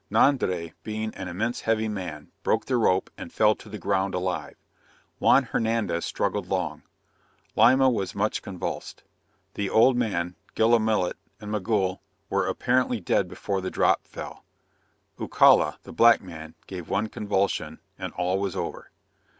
Nondre being an immense heavy man, broke the rope, and fell to the ground alive. Juan Hernandez struggled long. Lima was much convulsed. The old man Gullimillit, and Migul, were apparently dead before the drop fell. Eucalla (the black man) gave one convulsion, and all was over.